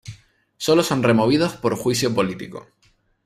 Sólo son removidos por juicio político.